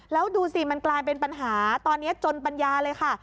แล้วดูสิมันกลายเป็นปัญหาตอนนี้จนปัญญาเลยค่ะ